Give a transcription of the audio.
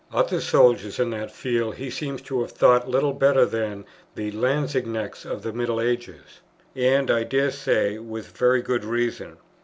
Other soldiers in that field he seems to have thought little better than the Lanzknechts of the middle ages, and, I dare say, with very good reason.